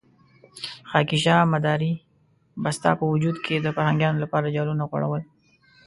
خاکيشاه مداري به ستا په وجود کې د فرهنګيانو لپاره جالونه غوړول.